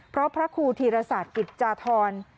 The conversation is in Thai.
เพราะพระครูธีรศาสตร์กิจจาธร